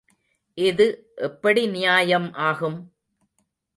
இது எப்படி நியாயம் ஆகும்?